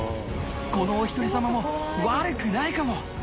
このおひとり様も悪くないかも。